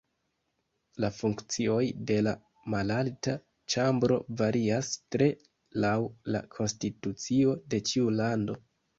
La funkcioj de la Malalta ĉambro varias tre laŭ la konstitucio de ĉiu lando.